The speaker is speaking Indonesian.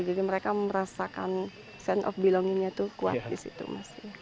jadi mereka merasakan sense of belongingnya tuh kuat di situ mas